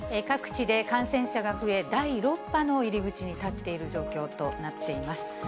各地で感染者が増え、第６波の入り口に立っている状況となっています。